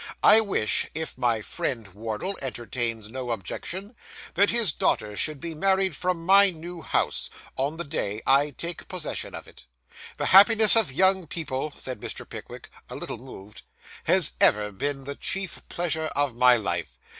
I wish, if my friend Wardle entertains no objection, that his daughter should be married from my new house, on the day I take possession of it. The happiness of young people,' said Mr. Pickwick, a little moved, 'has ever been the chief pleasure of my life.